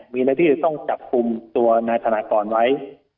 มีหน้าที่จะต้องจับกลุ่มตัวนายธนากรไว้